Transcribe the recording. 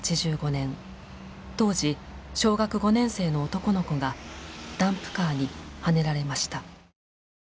当時小学５年生の男の子がダンプカーにはねられました。